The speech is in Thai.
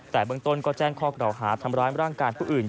แต่เบื้องต้นก็แจ้งข้อกล่าวหาทำร้ายร่างกายผู้อื่น